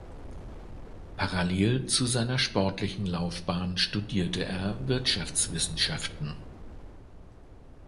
Parallel zu seiner sportlichen Laufbahn studierte er Wirtschaftswissenschaften.